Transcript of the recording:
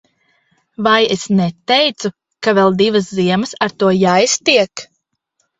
Vai es neteicu, ka vēl divas ziemas ar to jāiztiek.